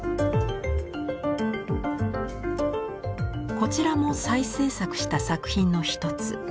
こちらも再制作した作品の一つ。